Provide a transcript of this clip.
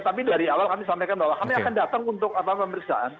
tapi dari awal kami sampaikan bahwa kami akan datang untuk pemeriksaan